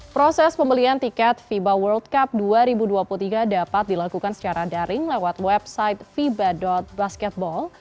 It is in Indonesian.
proses pembelian tiket fiba world cup dua ribu dua puluh tiga dapat dilakukan secara daring lewat website fiba basketball